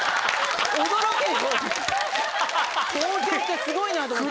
東京ってすごいなと思った。